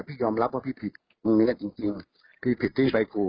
พี่ยอมรับว่าพี่ผิดมึงเนี้ยจริงจริงพี่ผิดที่ไปขู่